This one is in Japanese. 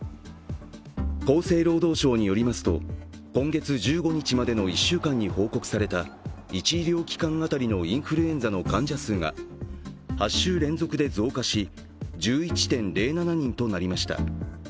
厚生労働省によりますと今月１５日までの１週間に報告された１医療機関当たりのインフルエンザの患者数が８週連続で増加し、１１．０７人となりました。